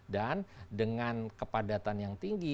dan dengan kepadatan yang tinggi